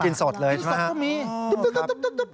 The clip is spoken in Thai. กินสดเลยใช่ไหมครับกินสดก็มีตุ๊บ